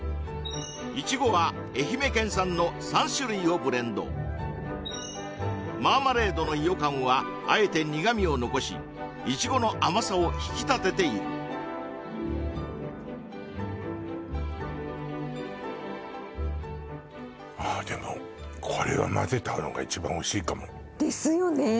イチゴは愛媛県産の３種類をブレンドマーマレードの伊予柑はあえて苦味を残しイチゴの甘さを引き立てているああでもこれはですよね